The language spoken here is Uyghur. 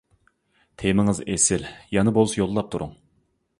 تېمىڭىز ئېسىل، يەنە بولسا يوللاپ تۇرۇڭ.